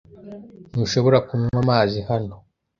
Ntushobora kunywa amazi hano.